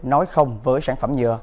nói không với sản phẩm nhựa